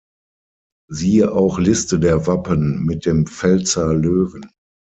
Siehe auch Liste der Wappen mit dem Pfälzer Löwen.